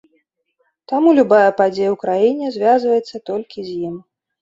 Таму любая падзея ў краіне звязваецца толькі з ім.